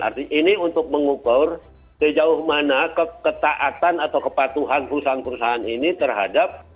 artinya ini untuk mengukur sejauh mana ketaatan atau kepatuhan perusahaan perusahaan ini terhadap